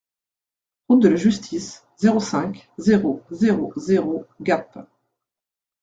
Route de la Justice, zéro cinq, zéro zéro zéro Gap